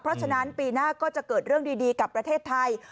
เพราะฉะนั้นปีหน้าก็จะเกิดเรื่องดีกับประเทศไทย